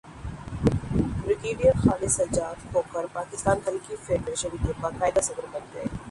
brigadier Khalid Sajjad Khokhar Pakistan hockey federation کے باقاعدہ صدر بن گئے